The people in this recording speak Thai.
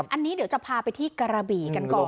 อันนี้เดี๋ยวจะพาไปที่กระบี่กันก่อน